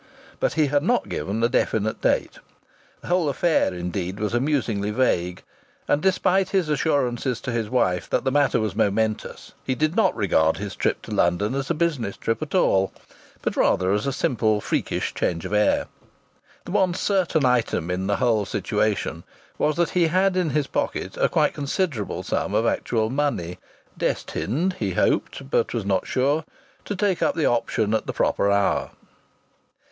But he had not given a definite date. The whole affair, indeed, was amusingly vague; and, despite his assurances to his wife that the matter was momentous, he did not regard his trip to London as a business trip at all, but rather as a simple freakish change of air. The one certain item in the whole situation was that he had in his pocket a quite considerable sum of actual money, destined he hoped, but was not sure to take up the option at the proper hour.